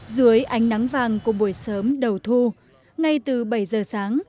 dưới ánh nắng vàng của buổi sớm đầu thu ngay từ bảy giờ sáng